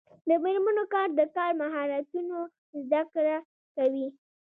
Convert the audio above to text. د میرمنو کار د کار مهارتونو زدکړه کوي.